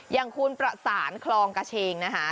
อย่างคุณประสานคลองกระเชงนะคะ